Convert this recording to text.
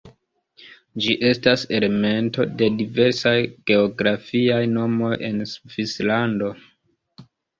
Ĝi estas elemento de diversaj geografiaj nomoj en Svislando.